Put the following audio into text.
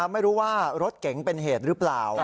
ไม่รู้ว่ารถเก๋งเป็นเหตุหรือเปล่า